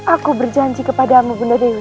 aku berjanji kepadamu bunda dewi